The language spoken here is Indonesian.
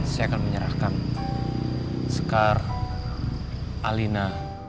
saya akan menyerahkan sekar alina